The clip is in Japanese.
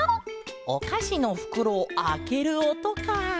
おかしのふくろをあけるおとか。